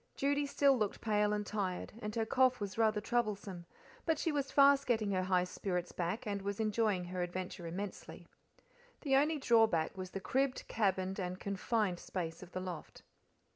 Judy still looked pale and tired, and her cough was rather troublesome; but she was fast getting her high spirits back, and was enjoying her adventure immensely. The only drawback was the cribbed, cabined, and confined space of the loft.